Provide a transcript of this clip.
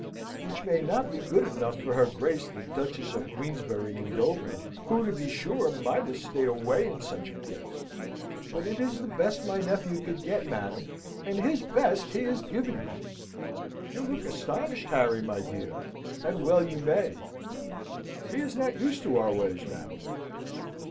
"Which may not be good enough for her Grace the Duchess of Queensberry and Dover, who, to be sure, might have stayed away in such a case, but it is the best my nephew could get, madam, and his best he has given you. You look astonished, Harry, my dear and well you may. He is not used to our ways, madam."